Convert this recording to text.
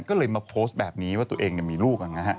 ก็เลยมาโพสต์แบบนี้ว่าตัวเองมีลูก